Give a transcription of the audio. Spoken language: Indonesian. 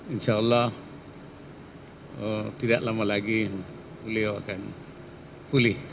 insya allah tidak lama lagi beliau akan pulih